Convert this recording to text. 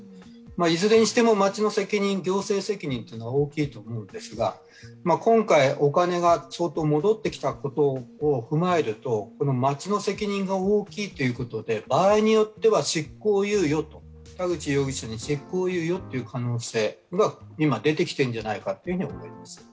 いずれにしても、町の責任、行政責任は大きいと思いますが、今回お金が相当戻ってきたことを踏まえると、町の責任が大きいということで、場合によっては田口容疑者に執行猶予という可能性が今出てきているんじゃないかと思います。